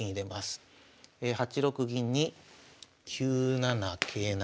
８六銀に９七桂成。